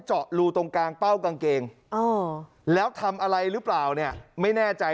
เจาะรูตรงกลางเป้ากางเกงแล้วทำอะไรหรือเปล่าเนี่ยไม่แน่ใจ